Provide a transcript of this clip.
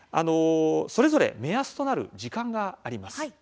それぞれ目安となる時間があります。